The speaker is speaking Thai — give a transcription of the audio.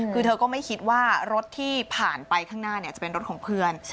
คือเธอก็ไม่คิดว่ารถที่ผ่านไปข้างหน้าจะเป็นรถของเพื่อน